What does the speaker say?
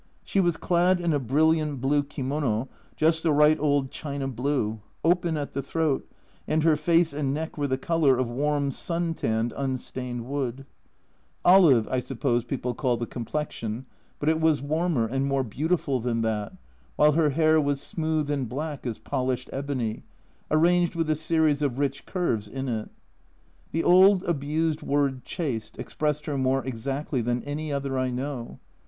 She was clad in a brilliant blue kimono, just the right old china blue open at the throat, and her face and neck were the colour of warm sun tanned unstained wood. A Journal from Japan 203 " Olive," I suppose people call the complexion, but it was warmer, and more beautiful than that, while her hair was smooth and black as polished ebony, arranged with a series of rich curves in it. The old abused word "chaste" expressed her more exactly than any other I know.